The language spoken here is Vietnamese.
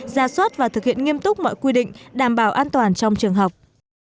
ra soát và thực hiện nghiêm túc mọi quy định đảm bảo an toàn trong trường học